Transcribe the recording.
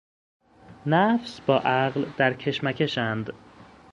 نفس با عقل در کشمکش اند